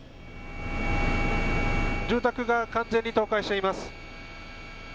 住宅が完全に倒壊しています。